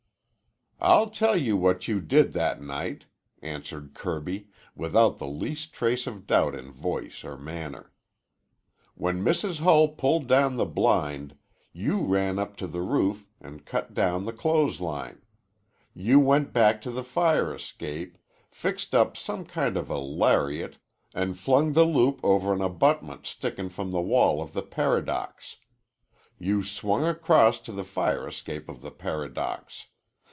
"I'll tell you what you did that night," answered Kirby, without the least trace of doubt in voice or manner. "When Mrs. Hull pulled down the blind, you ran up to the roof an' cut down the clothes line. You went back to the fire escape, fixed up some kind of a lariat, an' flung the loop over an abutment stickin' from the wall of the Paradox. You swung across to the fire escape of the Paradox.